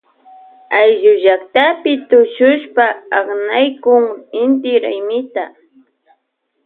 Ayllullaktapi tushushpa aknaykun inti raymita.